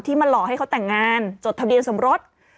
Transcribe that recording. มาหลอกให้เขาแต่งงานจดทะเบียนสมรส